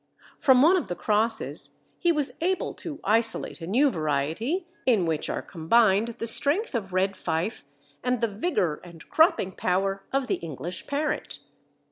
From one of the crosses he was able to isolate a new variety in which are combined the strength of Red Fife and the vigour and cropping power of the English parent.